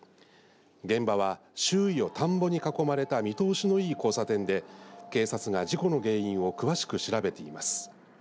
現場は周囲を田んぼに囲まれた見通しのいい交差点で警察が事故の原因を詳しく調べています。